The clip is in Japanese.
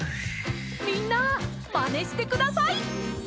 みんなまねしてください！